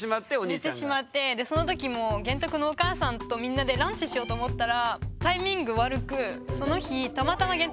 寝てしまってその時も玄徳のお母さんとみんなでランチしようと思ったらタイミング悪くその日たまたまあら。